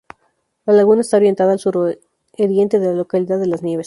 La laguna está orientada al suroriente de la localidad de Las Nieves.